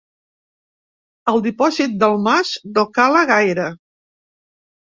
El dipòsit del mas no cala gaire.